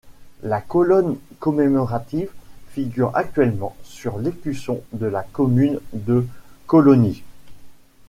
La colonne commémorative figure actuellement sur l'écusson de la commune de Cologny.